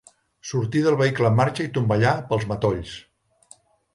Sortí del vehicle en marxa i tomballà pels matolls.